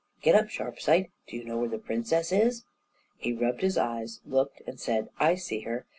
get up, Sharpsight, do you know where the princess is?" He rubbed his eyes, looked, and said: "I see her.